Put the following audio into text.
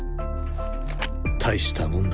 大したもんだ。